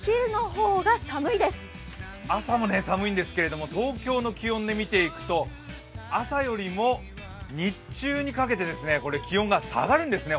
朝も寒いんですけど、東京の気温で見ていくと、朝よりも日中にかけて気温が下がるんですね。